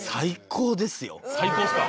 最高ですか？